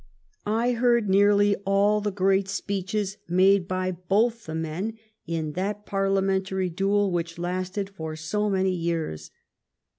I heard nearly all the great speeches made by both the men in that Parliamentary duel which lasted for so many years.